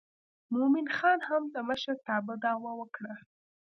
مومن خان هم د مشرتابه دعوه وکړه.